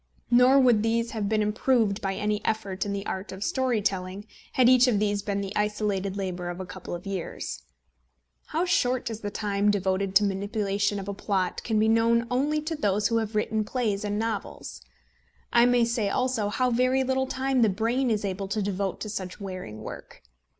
Nor would these have been improved by any effort in the art of story telling, had each of these been the isolated labour of a couple of years. How short is the time devoted to the manipulation of a plot can be known only to those who have written plays and novels; I may say also, how very little time the brain is able to devote to such wearing work.